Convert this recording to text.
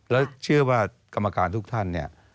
แล้วเชื่อว่ากรรมการทุกท่านเนี่ย